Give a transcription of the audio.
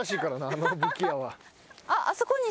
あの武器屋は。